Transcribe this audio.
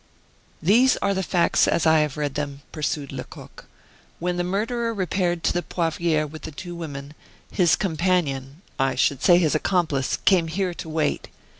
"These are the facts as I have read them," pursued Lecoq. "When the murderer repaired to the Poivriere with the two women, his companion I should say his accomplice came here to wait.